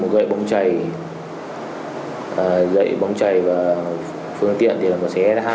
dạy bóng chảy dạy bóng chảy và phương tiện thì là một xe sh